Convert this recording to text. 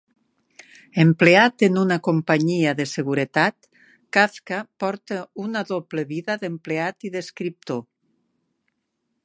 Empleat en una companyia de seguretat, Kafka porta una doble vida d'empleat i d'escriptor.